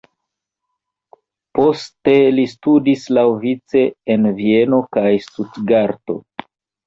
Poste li studis laŭvice en Vieno kaj Stutgarto.